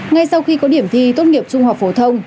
ngay sau khi có điểm thi tốt nghiệp trung học phổ thông